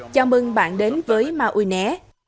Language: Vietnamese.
chào mừng bạn đến với maui né